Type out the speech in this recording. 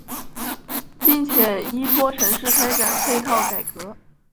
并且依托城市开展配套改革。